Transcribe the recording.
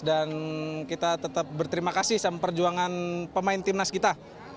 dan kita tetap berterima kasih sama perjuangan pemain tim nas kita